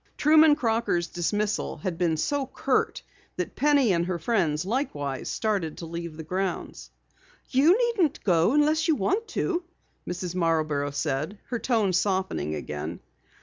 Truman Crocker's dismissal had been so curt that Penny and her friends likewise started to leave the grounds. "You needn't go unless you want to," Mrs. Marborough said, her tone softening again.